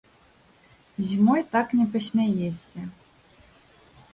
Зімой так не пасмяешся.